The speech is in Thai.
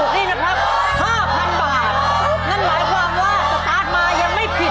ถ้าข้อแรกถูกนี่นะครับ๕๐๐๐บาท